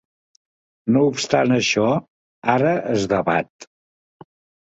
No obstant això, ara es debat.